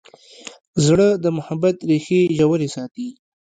زړه د محبت ریښې ژورې ساتي.